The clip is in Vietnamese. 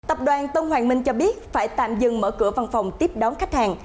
tập đoàn tân hoàng minh cho biết phải tạm dừng mở cửa văn phòng tiếp đón khách hàng